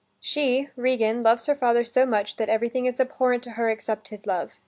She, Regan, loves her father so much that everything is abhorrent to her except his love.